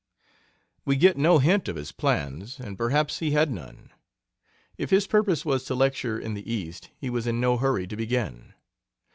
We get no hint of his plans, and perhaps he had none. If his purpose was to lecture in the East, he was in no hurry to begin.